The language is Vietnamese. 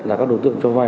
là các đối tượng cho vai